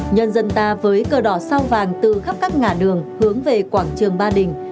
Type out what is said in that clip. nhân dân ta với cờ đỏ sao vàng từ khắp các ngã đường hướng về quảng trường ba đình